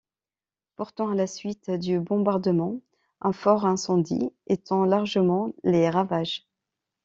Pourtant, à la suite du bombardement, un fort incendie étend largement les ravages.